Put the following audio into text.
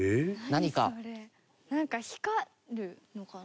なんか、光るのかな？